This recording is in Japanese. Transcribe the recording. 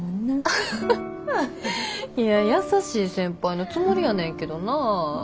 アハハいや優しい先輩のつもりやねんけどなぁ。